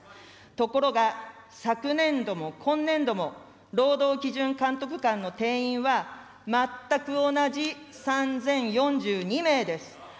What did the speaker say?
ところが、昨年度も今年度も、労働基準監督官の定員は全く同じ３０４２名です。